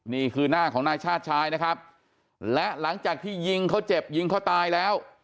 นี่คือหน้าของนายชาติชายนะครับและหลังจากที่ยิงเขาเจ็บยิงเขาตายแล้ว